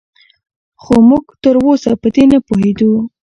خو موږ تراوسه په دې نه پوهېدو